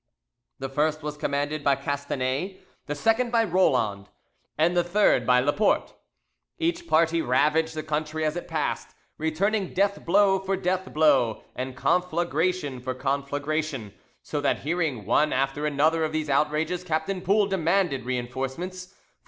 The first was commanded by Castanet, the second by Roland, and the third by Laporte. Each party ravaged the country as it passed, returning deathblow for deathblow and conflagration for conflagration, so that hearing one after another of these outrages Captain Poul demanded reinforcements from M.